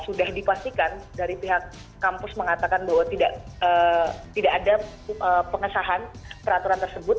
sudah dipastikan dari pihak kampus mengatakan bahwa tidak ada pengesahan peraturan tersebut